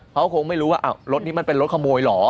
เขาคงไม่รู้ว่ารถนี้มันเป็นรถขโมยเหรอ